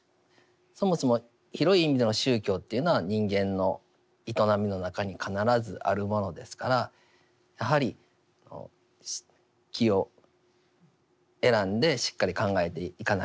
そもそも広い意味での宗教というのは人間の営みの中に必ずあるものですからやはり機を選んでしっかり考えていかなければならない。